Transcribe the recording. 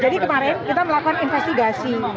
jadi kemarin kita melakukan investigasi